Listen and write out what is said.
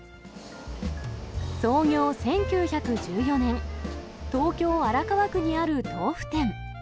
創業１９１４年、東京・荒川区にある豆腐店。